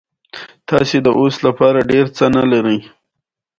زه بیرته په ځمکه کېښودل شوم او یو بنډل انګلیسي ورځپاڼې راپورته کړې.